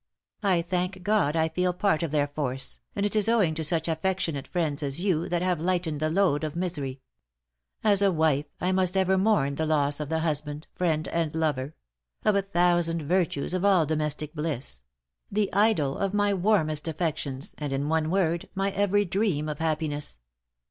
I thank God I feel part of their force, and it is owing to such affectionate friends as you, that have lightened the load of misery. "As a wife I must ever mourn the loss of the husband, friend and lover; of a thousand virtues, of all domestic bliss; the idol of my warmest affections, and in one word, my every dream of happiness.